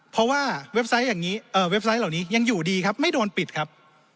เพราะว่าเว็บไซต์เหล่านี้ยังอยู่ดีครับไม่โดนปิดครับ